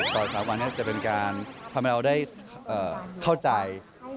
ต่อสักวันจะเป็นการทำให้เราได้เข้าใจ